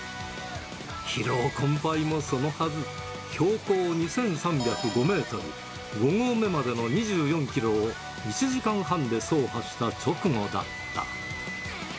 疲労困ぱいもそのはず、標高２３０５メートル、５合目までの２４キロを１時間半で走破した直後だった。